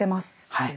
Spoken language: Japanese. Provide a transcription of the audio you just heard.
はい。